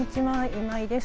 今井です。